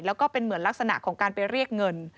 แล้วก็เป็นเหมือนลักษณะของการไปเรียกเงิน